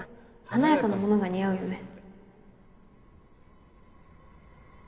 華やかなものが似合うよね